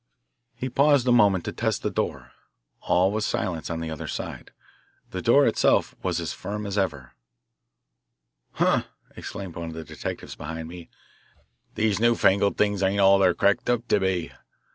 He paused a moment to test the door. All was silence on the other side. The door itself was as firm as ever. "Huh!" exclaimed one of the detectives behind me, "these new fangled things ain't all they're cracked up to be.